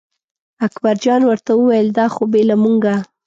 اکبرجان ورته وویل دا خو بې له مونږه.